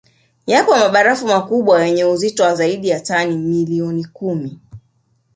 Yapo mabarafu makubwa yenye uzito wa zaidi ya tani milioni kumi